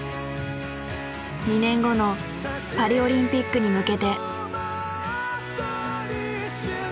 ２年後のパリオリンピックに向けて。